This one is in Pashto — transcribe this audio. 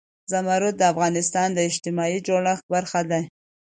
زمرد د افغانستان د اجتماعي جوړښت برخه ده.